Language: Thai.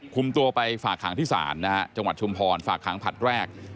คุมตัวไปฝากหางที่ศาลนะฮะจังหวัดชุมพรฝากขังผลัดแรก